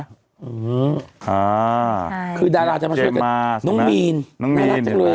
อ๋ออ่าคือดาราจะมาช่วยกันอ๋อน้องมีนเห็นมั้ย